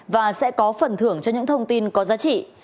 và sẽ có phần thưởng cho những thông tin có giá trị